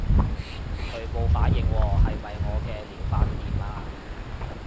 佢冇反應喎，係咪我嘅療法掂啊？